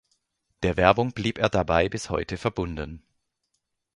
Der Werbung blieb er dabei bis heute verbunden.